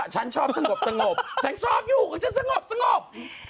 ฉันชอบสงบฉันชอบอยู่กับเจ้าสงบ